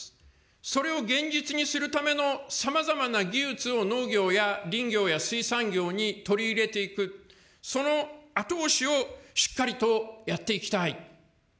それを現実にするためのさまざまな技術を農業や林業や水産業に取り入れていく、その後押しをしっかりとやっていきたい。